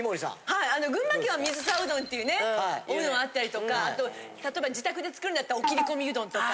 はいあの群馬県は水沢うどんっていうねおうどんあったりとかあと例えば自宅で作るんだったらおきりこみうどんとか。